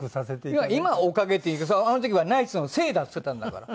いや今は「おかげ」って言うけどあの時は「ナイツのせいだ」っつってたんだから。